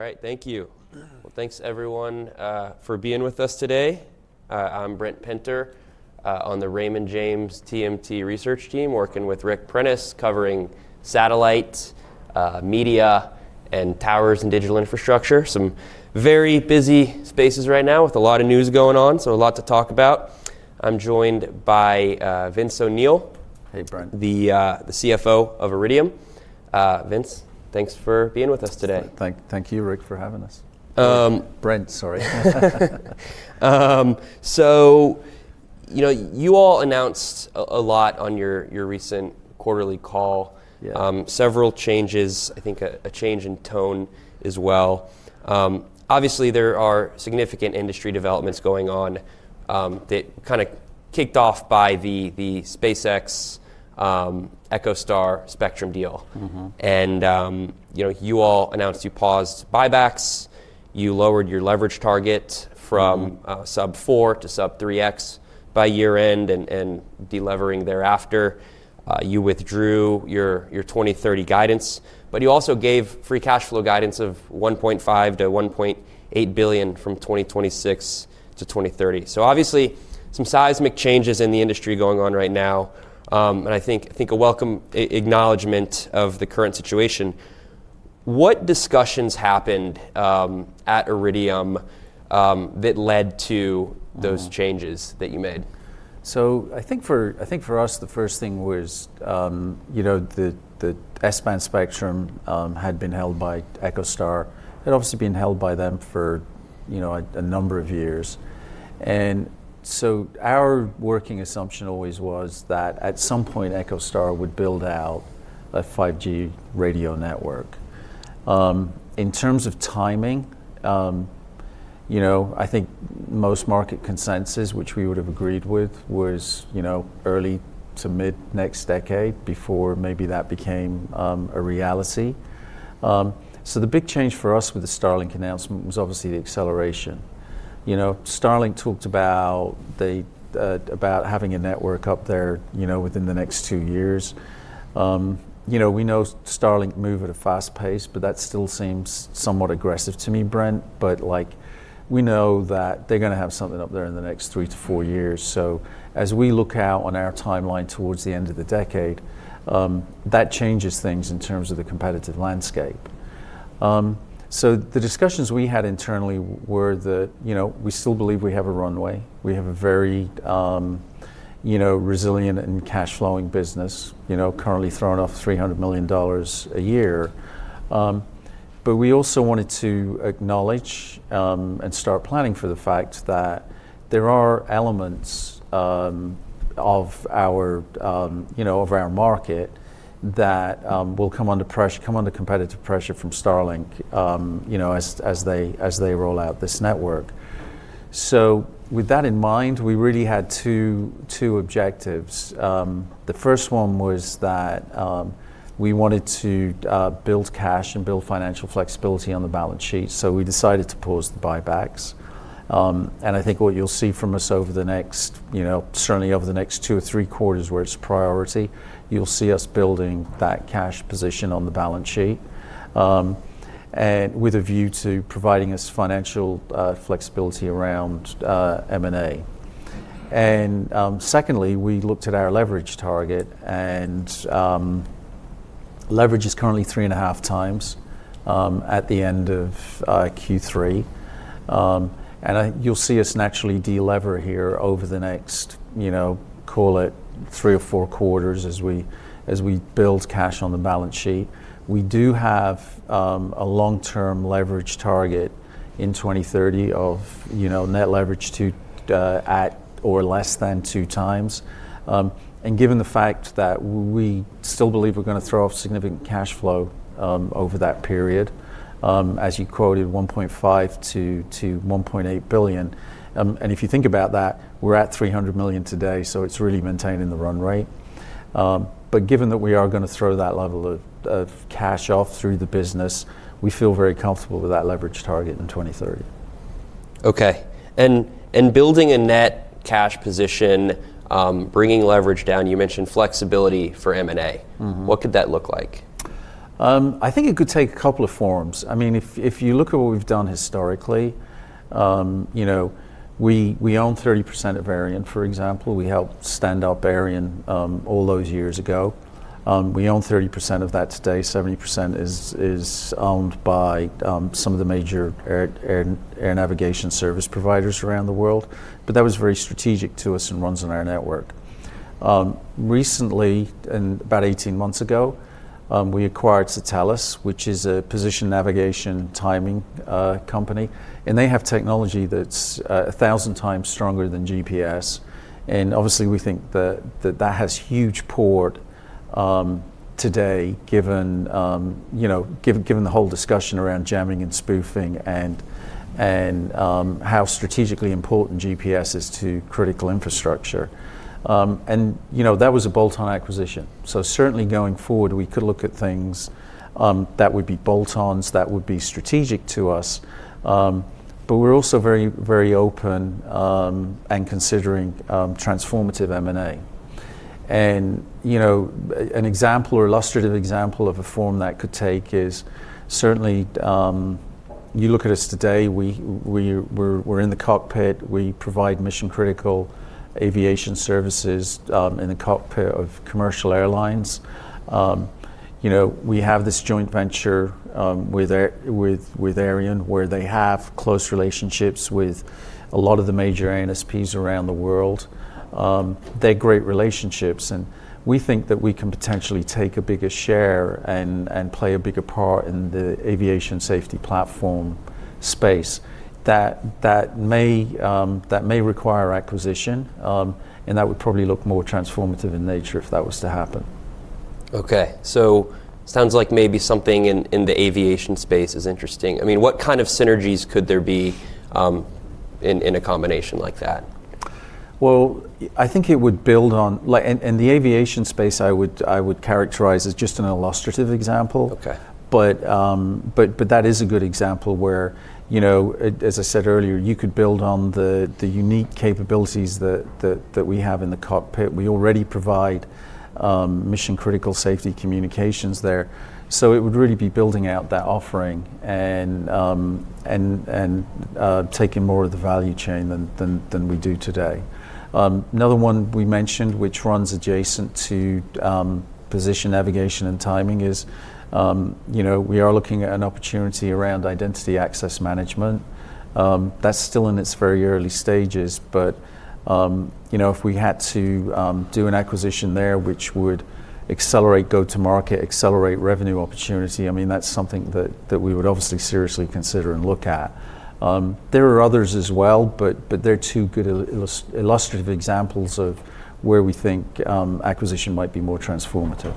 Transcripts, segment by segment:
Right, thank you. Thanks, everyone, for being with us today. I'm Brent Pinter on the Raymond James TMT research team, working with Ric Prentiss covering satellite, media, and towers and digital infrastructure. Some very busy spaces right now with a lot of news going on, so a lot to talk about. I'm joined by Vince O'Neill. Hey, Brent. The CFO of Iridium. Vince, thanks for being with us today. Thank you, Ric, for having us. Brent, sorry. So, you all announced a lot on your recent quarterly call, several changes, I think a change in tone as well. Obviously, there are significant industry developments going on that kind of kicked off by the SpaceX EchoStar spectrum deal. And you all announced you paused buybacks, you lowered your leverage target from sub-4 to sub-3x by year-end and deleveraging thereafter. You withdrew your 2030 guidance, but you also gave free cash flow guidance of $1.5-$1.8 billion from 2026 to 2030. So, obviously, some seismic changes in the industry going on right now, and I think a welcome acknowledgment of the current situation. What discussions happened at Iridium that led to those changes that you made? So, I think for us, the first thing was the S-band spectrum had been held by EchoStar. It had obviously been held by them for a number of years. And so our working assumption always was that at some point, EchoStar would build out a 5G radio network. In terms of timing, I think most market consensus, which we would have agreed with, was early to mid next decade before maybe that became a reality. So, the big change for us with the Starlink announcement was obviously the acceleration. Starlink talked about having a network up there within the next two years. We know Starlink move at a fast pace, but that still seems somewhat aggressive to me, Brent. But we know that they're going to have something up there in the next three to four years. As we look out on our timeline towards the end of the decade, that changes things in terms of the competitive landscape. The discussions we had internally were that we still believe we have a runway. We have a very resilient and cash-flowing business, currently throwing off $300 million a year. We also wanted to acknowledge and start planning for the fact that there are elements of our market that will come under competitive pressure from Starlink as they roll out this network. With that in mind, we really had two objectives. The first one was that we wanted to build cash and build financial flexibility on the balance sheet. We decided to pause the buybacks. I think what you'll see from us over the next, certainly over the next two or three quarters where it's a priority, you'll see us building that cash position on the balance sheet with a view to providing us financial flexibility around M&A. Secondly, we looked at our leverage target, and leverage is currently three and a half times at the end of Q3. You'll see us naturally deleverage here over the next, call it three or four quarters as we build cash on the balance sheet. We do have a long-term leverage target in 2030 of net leverage at or less than two times. Given the fact that we still believe we're going to throw off significant cash flow over that period, as you quoted, $1.5-$1.8 billion, and if you think about that, we're at $300 million today, so it's really maintaining the run rate. Given that we are going to throw that level of cash off through the business, we feel very comfortable with that leverage target in 2030. Okay. And building a net cash position, bringing leverage down, you mentioned flexibility for M&A. What could that look like? I think it could take a couple of forms. I mean, if you look at what we've done historically, we own 30% of Aireon, for example. We helped stand up Aireon all those years ago. We own 30% of that today. 70% is owned by some of the major air navigation service providers around the world. But that was very strategic to us and runs on our network. Recently, about 18 months ago, we acquired Satelles, which is a position navigation timing company. And they have technology that's 1,000 times stronger than GPS. And obviously, we think that that has huge import today given the whole discussion around jamming and spoofing and how strategically important GPS is to critical infrastructure. And that was a bolt-on acquisition. So, certainly going forward, we could look at things that would be bolt-ons that would be strategic to us. But we're also very open and considering transformative M&A. And an example, or illustrative example, of a form that could take is certainly you look at us today, we're in the cockpit. We provide mission-critical aviation services in the cockpit of commercial airlines. We have this joint venture with Aireon where they have close relationships with a lot of the major ANSPs around the world. They're great relationships. And we think that we can potentially take a bigger share and play a bigger part in the aviation safety platform space. That may require acquisition, and that would probably look more transformative in nature if that was to happen. Okay. So, it sounds like maybe something in the aviation space is interesting. I mean, what kind of synergies could there be in a combination like that? I think it would build on, and the aviation space I would characterize as just an illustrative example. That is a good example where, as I said earlier, you could build on the unique capabilities that we have in the cockpit. We already provide mission-critical safety communications there. It would really be building out that offering and taking more of the value chain than we do today. Another one we mentioned, which runs adjacent to position navigation and timing, is we are looking at an opportunity around identity access management. That's still in its very early stages. If we had to do an acquisition there, which would accelerate go-to-market, accelerate revenue opportunity, I mean, that's something that we would obviously seriously consider and look at. There are others as well, but they're two good illustrative examples of where we think acquisition might be more transformative.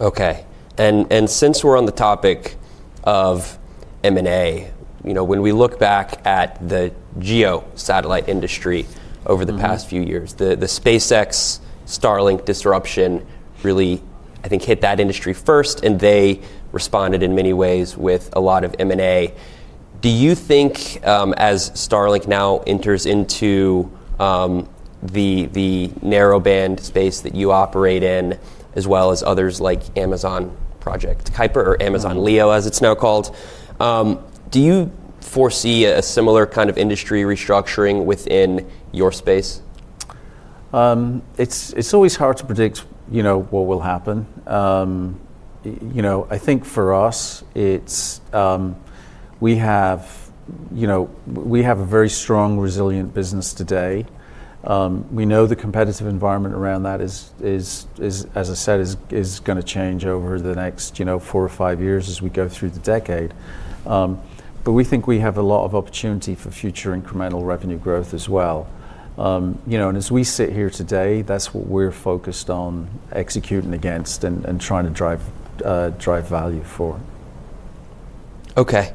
Okay. And since we're on the topic of M&A, when we look back at the geosatellite industry over the past few years, the SpaceX-Starlink disruption really, I think, hit that industry first, and they responded in many ways with a lot of M&A. Do you think as Starlink now enters into the narrowband space that you operate in, as well as others like Amazon Project Kuiper or Amazon LEO, as it's now called, do you foresee a similar kind of industry restructuring within your space? It's always hard to predict what will happen. I think for us, we have a very strong, resilient business today. We know the competitive environment around that, as I said, is going to change over the next four or five years as we go through the decade, but we think we have a lot of opportunity for future incremental revenue growth as well, and as we sit here today, that's what we're focused on executing against and trying to drive value for. Okay.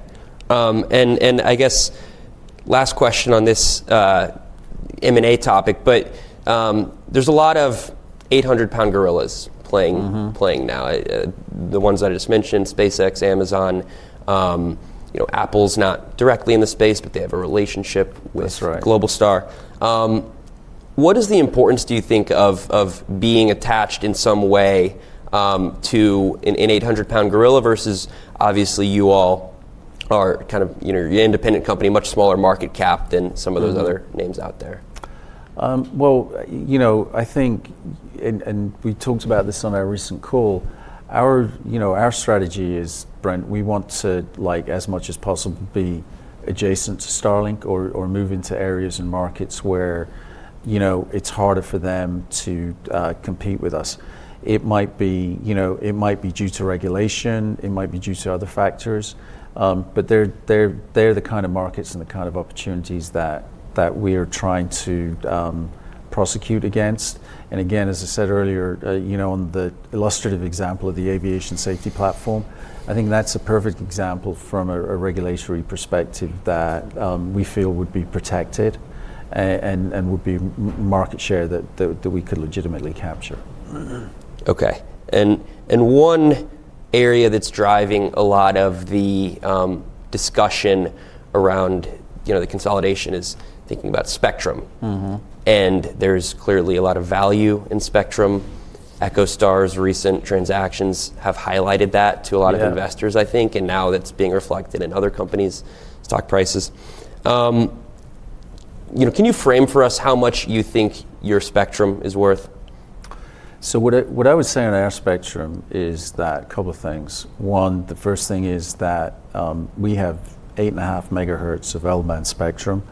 And I guess last question on this M&A topic, but there's a lot of 800-pound gorillas playing now, the ones I just mentioned, SpaceX, Amazon, Apple's not directly in the space, but they have a relationship with GlobalStar. What is the importance, do you think, of being attached in some way to an 800-pound gorilla versus obviously you all are kind of an independent company, much smaller market cap than some of those other names out there? I think, and we talked about this on our recent call, our strategy is, Brent, we want to, as much as possible, be adjacent to Starlink or move into areas and markets where it's harder for them to compete with us. It might be due to regulation. It might be due to other factors. But they're the kind of markets and the kind of opportunities that we are trying to prosecute against. And again, as I said earlier, on the illustrative example of the aviation safety platform, I think that's a perfect example from a regulatory perspective that we feel would be protected and would be market share that we could legitimately capture. Okay. And one area that's driving a lot of the discussion around the consolidation is thinking about spectrum. And there's clearly a lot of value in spectrum. EchoStar's recent transactions have highlighted that to a lot of investors, I think, and now that's being reflected in other companies' stock prices. Can you frame for us how much you think your spectrum is worth? What I would say on our spectrum is that a couple of things. One, the first thing is that we have 8.5 megahertz of L-band spectrum.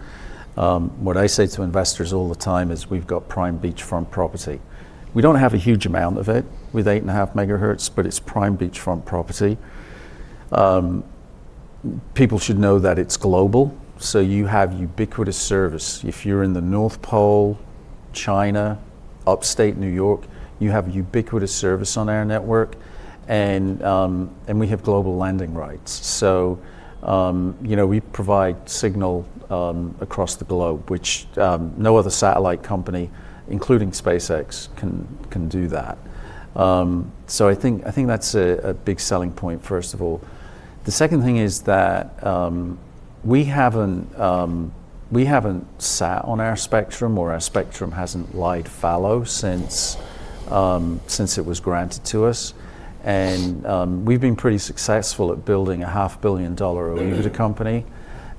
What I say to investors all the time is we've got prime beachfront property. We don't have a huge amount of it with 8.5 megahertz, but it's prime beachfront property. People should know that it's global. You have ubiquitous service. If you're in the North Pole, China, upstate New York, you have ubiquitous service on our network. And we have global landing rights. We provide signal across the globe, which no other satellite company, including SpaceX, can do that. I think that's a big selling point, first of all. The second thing is that we haven't sat on our spectrum or our spectrum hasn't lain fallow since it was granted to us. We've been pretty successful at building a $500 million valuation company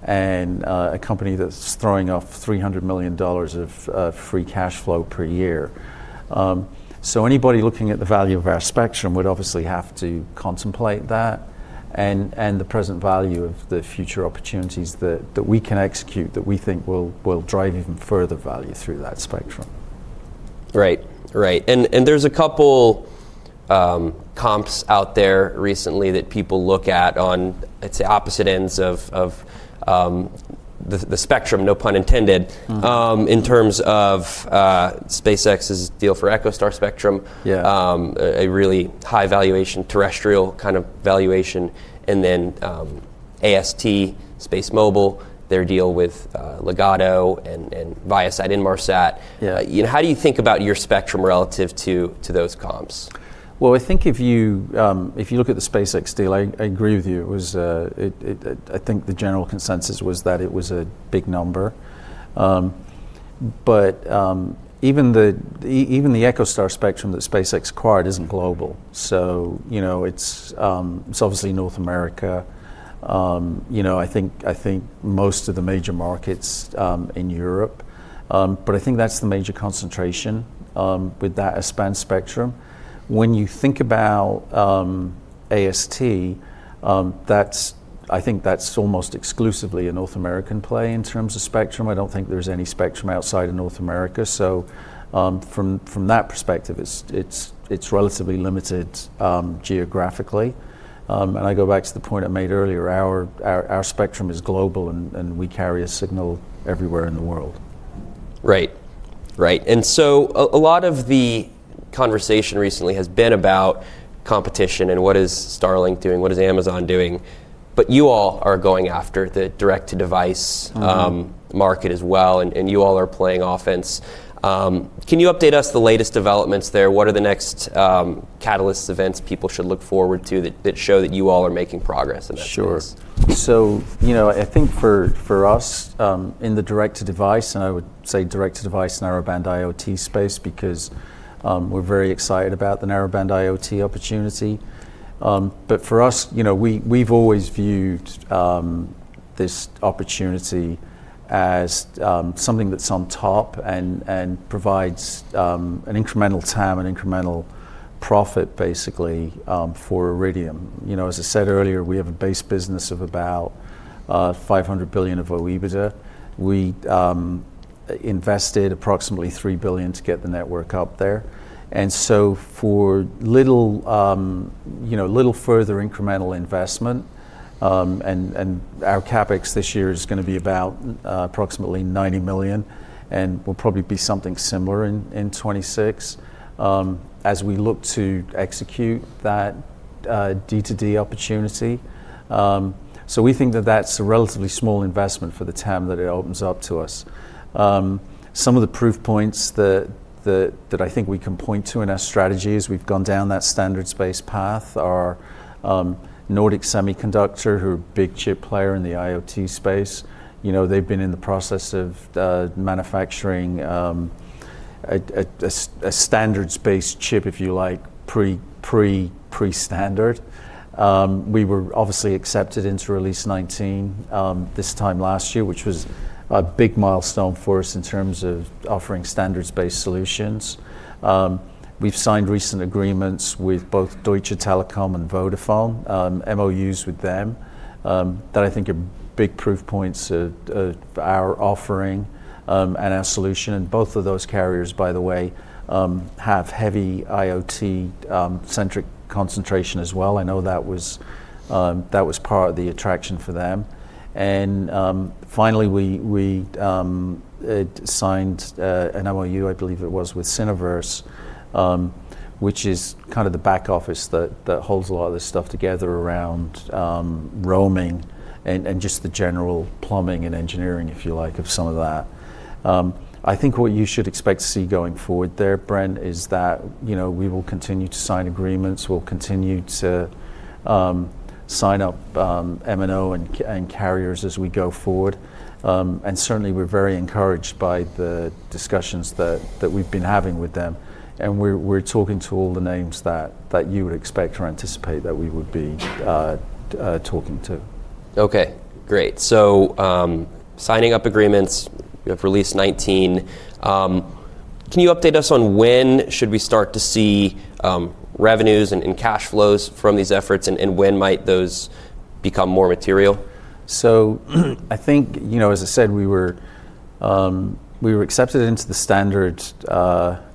and a company that's throwing off $300 million of free cash flow per year. Anybody looking at the value of our spectrum would obviously have to contemplate that and the present value of the future opportunities that we can execute that we think will drive even further value through that spectrum. Right. Right. And there's a couple comps out there recently that people look at on, let's say, opposite ends of the spectrum, no pun intended, in terms of SpaceX's deal for EchoStar spectrum, a really high valuation, terrestrial kind of valuation, and then AST SpaceMobile, their deal with Legato and Viasat and Inmarsat. How do you think about your spectrum relative to those comps? I think if you look at the SpaceX deal, I agree with you. I think the general consensus was that it was a big number. But even the EchoStar spectrum that SpaceX acquired isn't global. So, it's obviously North America. I think most of the major markets in Europe. But I think that's the major concentration with that S-band spectrum. When you think about AST, I think that's almost exclusively a North American play in terms of spectrum. I don't think there's any spectrum outside of North America. So, from that perspective, it's relatively limited geographically. And I go back to the point I made earlier, our spectrum is global and we carry a signal everywhere in the world. Right. Right. And so, a lot of the conversation recently has been about competition and what is Starlink doing, what is Amazon doing. But you all are going after the direct-to-device market as well, and you all are playing offense. Can you update us on the latest developments there? What are the next catalyst events people should look forward to that show that you all are making progress in that space? Sure. So, I think for us in the direct-to-device, and I would say direct-to-device narrowband IoT space, because we're very excited about the narrowband IoT opportunity. But for us, we've always viewed this opportunity as something that's on top and provides an incremental TAM and incremental profit, basically, for Iridium. As I said earlier, we have a base business of about $500 million of annual revenue. We invested approximately $3 billion to get the network up there. And so, for little further incremental investment, and our CapEx this year is going to be about approximately $90 million, and will probably be something similar in 2026 as we look to execute that D2D opportunity. So, we think that that's a relatively small investment for the TAM that it opens up to us. Some of the proof points that I think we can point to in our strategy as we've gone down that standards-based path are Nordic Semiconductor, who are a big chip player in the IoT space. They've been in the process of manufacturing a standards-based chip, if you like, pre-standard. We were obviously accepted into Release 19 this time last year, which was a big milestone for us in terms of offering standards-based solutions. We've signed recent agreements with both Deutsche Telekom and Vodafone, MOUs with them that I think are big proof points of our offering and our solution, and both of those carriers, by the way, have heavy IoT-centric concentration as well. I know that was part of the attraction for them. And finally, we signed an MOU, I believe it was, with Syniverse, which is kind of the back office that holds a lot of this stuff together around roaming and just the general plumbing and engineering, if you like, of some of that. I think what you should expect to see going forward there, Brent, is that we will continue to sign agreements. We'll continue to sign up MNO and carriers as we go forward. And certainly, we're very encouraged by the discussions that we've been having with them. And we're talking to all the names that you would expect or anticipate that we would be talking to. Okay. Great. So, signing up agreements, you have Release 19. Can you update us on when should we start to see revenues and cash flows from these efforts, and when might those become more material? So, I think, as I said, we were accepted into the standards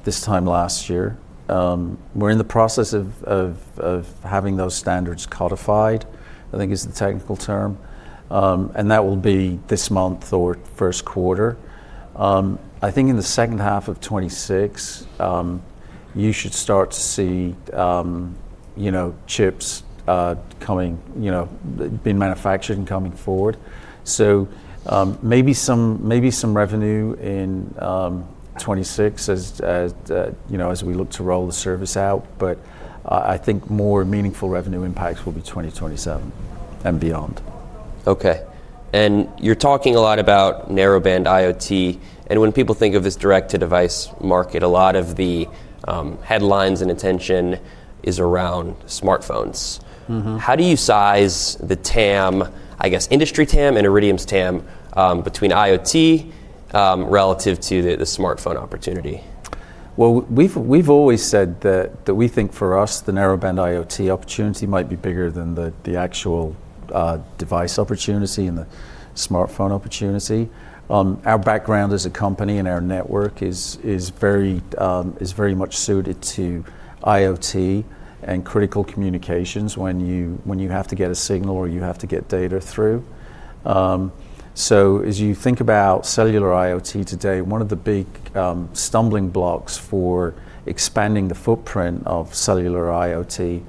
this time last year. We're in the process of having those standards codified, I think is the technical term. And that will be this month or first quarter. I think in the second half of 2026, you should start to see chips coming, being manufactured and coming forward. So, maybe some revenue in 2026 as we look to roll the service out. But I think more meaningful revenue impacts will be 2027 and beyond. Okay, and you're talking a lot about Narrowband IoT, and when people think of this direct-to-device market, a lot of the headlines and attention is around smartphones. How do you size the TAM, I guess, industry TAM and Iridium's TAM between IoT relative to the smartphone opportunity? We've always said that we think for us, the Narrowband IoT opportunity might be bigger than the actual device opportunity and the smartphone opportunity. Our background as a company and our network is very much suited to IoT and critical communications when you have to get a signal or you have to get data through. As you think about cellular IoT today, one of the big stumbling blocks for expanding the footprint of cellular IoT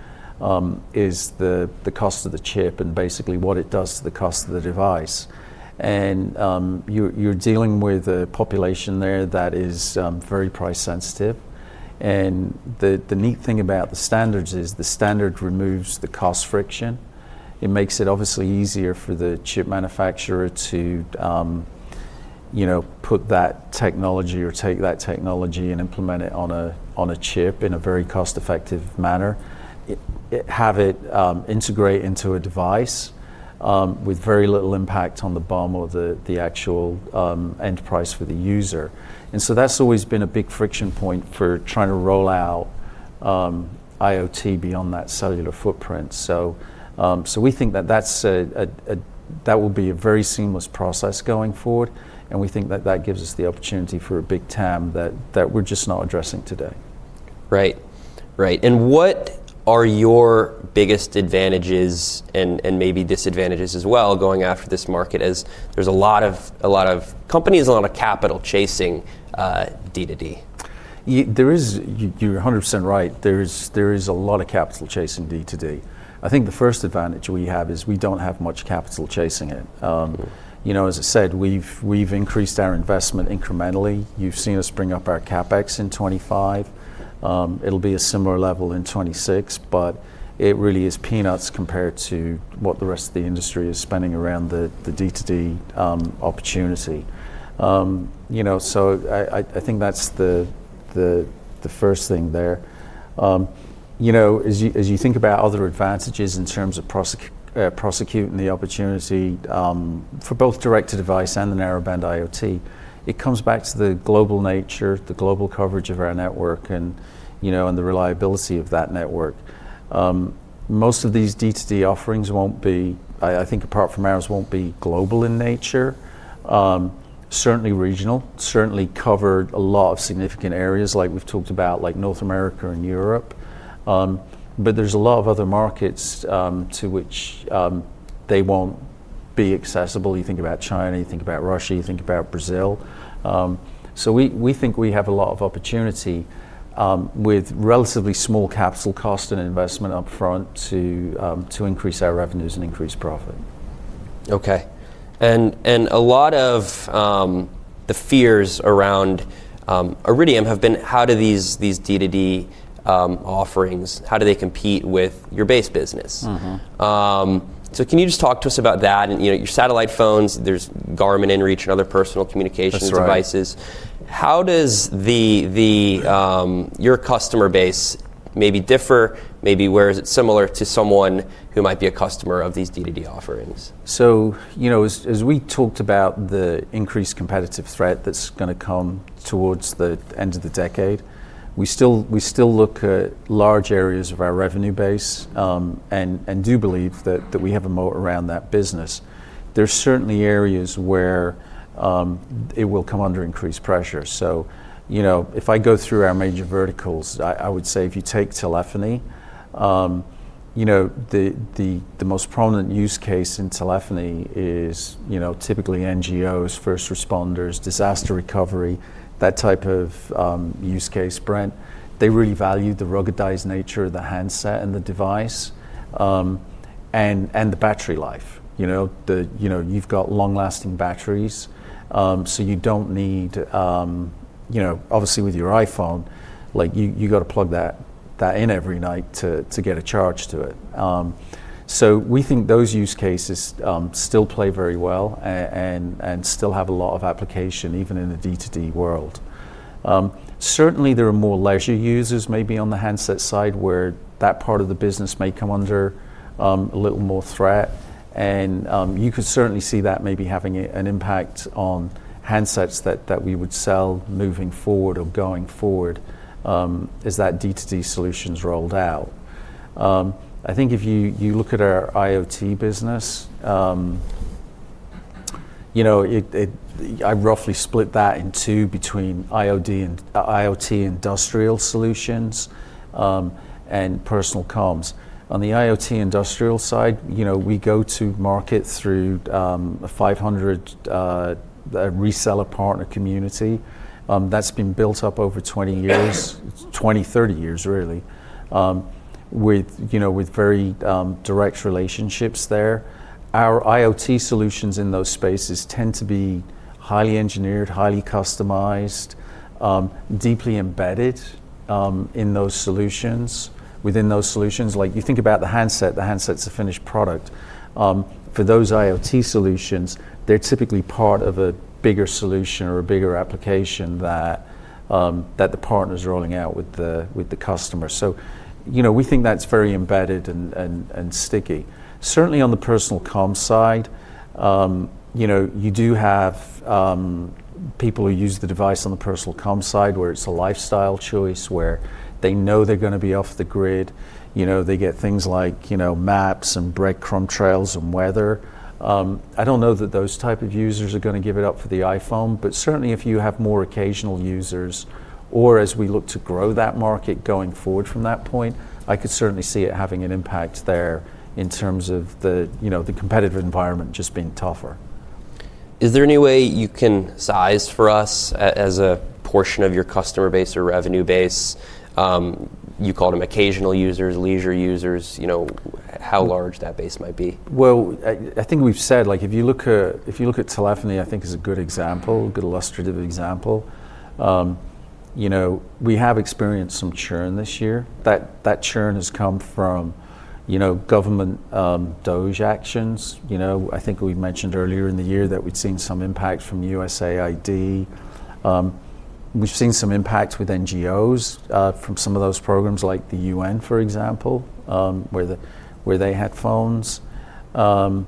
is the cost of the chip and basically what it does to the cost of the device. You're dealing with a population there that is very price sensitive. The neat thing about the standards is the standard removes the cost friction. It makes it obviously easier for the chip manufacturer to put that technology or take that technology and implement it on a chip in a very cost-effective manner, have it integrate into a device with very little impact on the BOM or the actual end price for the user. And so, that's always been a big friction point for trying to roll out IoT beyond that cellular footprint. So, we think that that will be a very seamless process going forward. And we think that that gives us the opportunity for a big TAM that we're just not addressing today. Right. Right. And what are your biggest advantages and maybe disadvantages as well going after this market as there's a lot of companies, a lot of capital chasing D2D? You're 100% right. There is a lot of capital chasing D2D. I think the first advantage we have is we don't have much capital chasing it. As I said, we've increased our investment incrementally. You've seen us bring up our CapEx in 2025. It'll be a similar level in 2026, but it really is peanuts compared to what the rest of the industry is spending around the D2D opportunity. So, I think that's the first thing there. As you think about other advantages in terms of prosecuting the opportunity for both direct-to-device and the Narrowband IoT, it comes back to the global nature, the global coverage of our network, and the reliability of that network. Most of these D2D offerings won't be, I think apart from ours, won't be global in nature, certainly regional, certainly cover a lot of significant areas like we've talked about, like North America and Europe. But there's a lot of other markets to which they won't be accessible. You think about China, you think about Russia, you think about Brazil. So, we think we have a lot of opportunity with relatively small capital cost and investment upfront to increase our revenues and increase profit. Okay. And a lot of the fears around Iridium have been how do these D2D offerings, how do they compete with your base business? So, can you just talk to us about that? And your satellite phones, there's Garmin inReach and other personal communications devices. How does your customer base maybe differ? Maybe where is it similar to someone who might be a customer of these D2D offerings? So, as we talked about the increased competitive threat that's going to come towards the end of the decade, we still look at large areas of our revenue base and do believe that we have a moat around that business. There's certainly areas where it will come under increased pressure. So, if I go through our major verticals, I would say if you take telephony, the most prominent use case in telephony is typically NGOs, first responders, disaster recovery, that type of use case, Brent. They really value the ruggedized nature of the handset and the device and the battery life. You've got long-lasting batteries, so you don't need, obviously with your iPhone, you've got to plug that in every night to get a charge to it. So, we think those use cases still play very well and still have a lot of application even in the D2D world. Certainly, there are more leisure users maybe on the handset side where that part of the business may come under a little more threat. And you could certainly see that maybe having an impact on handsets that we would sell moving forward or going forward as that D2D solution is rolled out. I think if you look at our IoT business, I roughly split that in two between IoT industrial solutions and personal comms. On the IoT industrial side, we go to market through a 500 reseller partner community that's been built up over 20 years, 20, 30 years really, with very direct relationships there. Our IoT solutions in those spaces tend to be highly engineered, highly customized, deeply embedded in those solutions. Within those solutions, like you think about the handset, the handset's a finished product. For those IoT solutions, they're typically part of a bigger solution or a bigger application that the partners are rolling out with the customer. So, we think that's very embedded and sticky. Certainly, on the personal comm side, you do have people who use the device on the personal comm side where it's a lifestyle choice, where they know they're going to be off the grid. They get things like maps and breadcrumb trails and weather. I don't know that those types of users are going to give it up for the iPhone, but certainly if you have more occasional users or as we look to grow that market going forward from that point, I could certainly see it having an impact there in terms of the competitive environment just being tougher. Is there any way you can size for us as a portion of your customer base or revenue base? You called them occasional users, leisure users, how large that base might be? I think we've said if you look at telephony, I think, is a good example, a good illustrative example. We have experienced some churn this year. That churn has come from government DoD actions. I think we mentioned earlier in the year that we'd seen some impact from USAID. We've seen some impact with NGOs from some of those programs, like the UN, for example, where they had phones. Most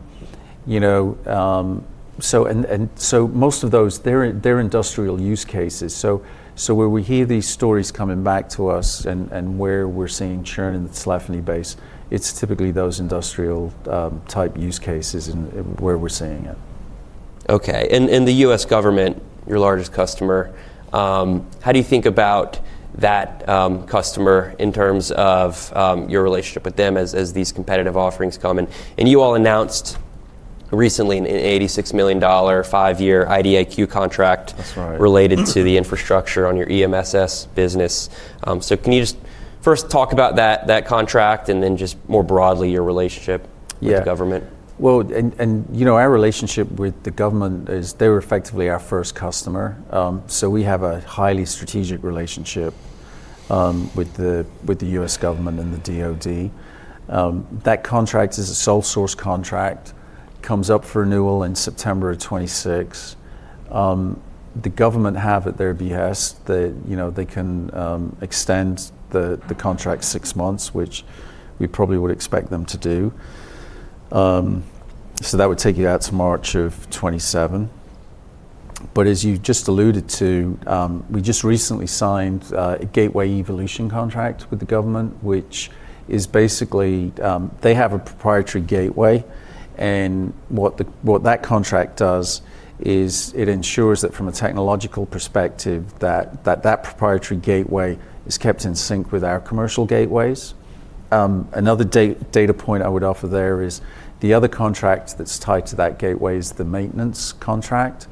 of those, they're industrial use cases. Where we hear these stories coming back to us and where we're seeing churn in the telephony base, it's typically those industrial-type use cases where we're seeing it. Okay, and the U.S. Government, your largest customer, how do you think about that customer in terms of your relationship with them as these competitive offerings come in? And, you all announced recently an $86 million five-year IDIQ contract related to the infrastructure on your EMSS business. So, can you just first talk about that contract and then just more broadly your relationship with the government? Yeah. Well, and our relationship with the government is they were effectively our first customer. So, we have a highly strategic relationship with the U.S. government and the DoD. That contract is a sole source contract. It comes up for renewal in September of 2026. The government have at their behest that they can extend the contract six months, which we probably would expect them to do. So, that would take it out to March of 2027. But as you just alluded to, we just recently signed a gateway evolution contract with the government, which is basically they have a proprietary gateway. And what that contract does is it ensures that from a technological perspective, that that proprietary gateway is kept in sync with our commercial gateways. Another data point I would offer there is the other contract that's tied to that gateway is the maintenance contract,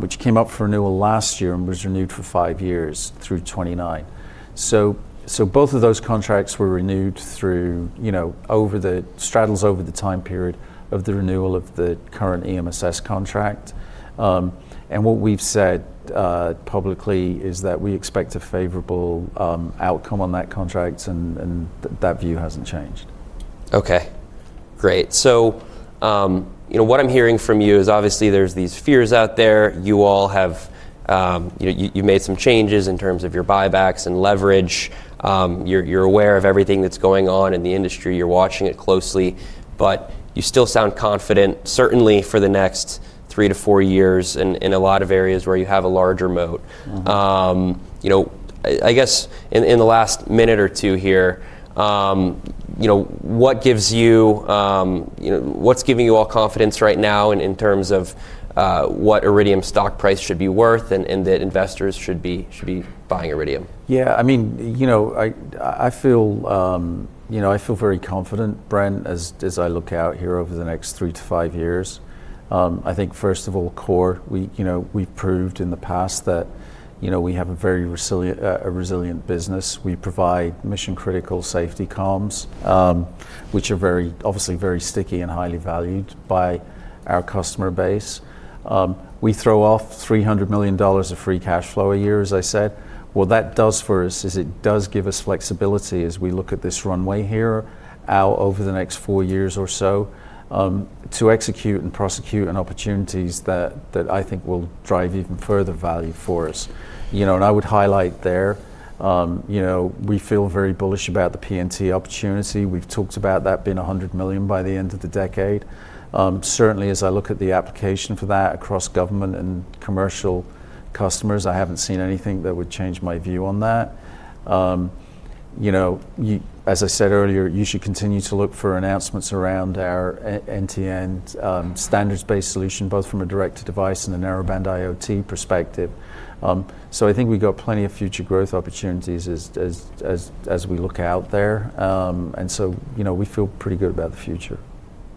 which came up for renewal last year and was renewed for five years through 2029. So, both of those contracts were renewed through over the straddles over the time period of the renewal of the current EMSS contract. And what we've said publicly is that we expect a favorable outcome on that contract and that view hasn't changed. Okay. Great. So, what I'm hearing from you is obviously there's these fears out there. You all have, you've made some changes in terms of your buybacks and leverage. You're aware of everything that's going on in the industry. You're watching it closely. But you still sound confident, certainly for the next three to four years in a lot of areas where you have a larger moat. I guess in the last minute or two here, what's giving you all confidence right now in terms of what Iridium stock price should be worth and that investors should be buying Iridium? Yeah. I mean, I feel very confident, Brent, as I look out here over the next three to five years. I think first of all, we've proved in the past that we have a very resilient business. We provide mission-critical safety comms, which are obviously very sticky and highly valued by our customer base. We throw off $300 million of free cash flow a year, as I said. What that does for us is it does give us flexibility as we look at this runway here over the next four years or so to execute and prosecute on opportunities that I think will drive even further value for us, and I would highlight there, we feel very bullish about the PNT opportunity. We've talked about that being $100 million by the end of the decade. Certainly, as I look at the application for that across government and commercial customers, I haven't seen anything that would change my view on that. As I said earlier, you should continue to look for announcements around our end-to-end standards-based solution, both from a Direct-to-Device and a Narrowband IoT perspective, so I think we've got plenty of future growth opportunities as we look out there, and so we feel pretty good about the future.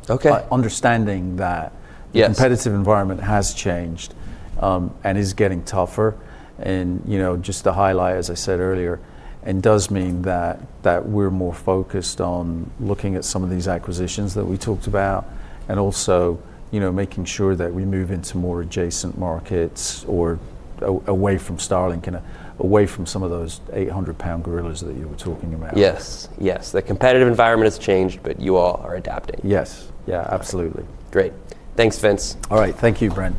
Okay. Understanding that the competitive environment has changed and is getting tougher, and just to highlight, as I said earlier, it does mean that we're more focused on looking at some of these acquisitions that we talked about and also making sure that we move into more adjacent markets or away from Starlink and away from some of those 800-pound gorillas that you were talking about. Yes. Yes. The competitive environment has changed, but you all are adapting. Yes. Yeah, absolutely. Great. Thanks, Vince. All right. Thank you, Brent.